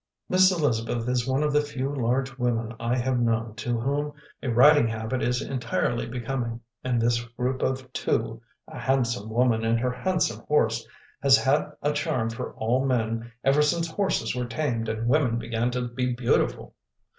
Miss Elizabeth is one of the few large women I have known to whom a riding habit is entirely becoming, and this group of two a handsome woman and her handsome horse has had a charm for all men ever since horses were tamed and women began to be beautiful.